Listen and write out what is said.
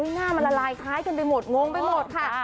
หน้ามันละลายคล้ายกันไปหมดงงไปหมดค่ะ